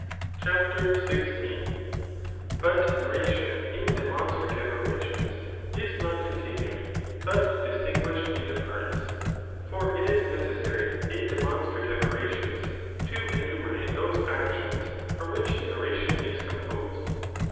266 THE ART 0)r BOOK'HK CHAPTER XVL But narration in demonstrative oration^ is not con tinued, but distinguished into parts. For it is necessary [in demonstrative orations] to enumerate those actions, from which the oration is composed.